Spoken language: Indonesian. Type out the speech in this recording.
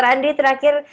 dr andri terakhir